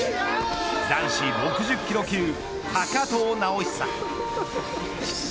男子６０キロ級高藤直寿。